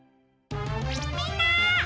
みんな！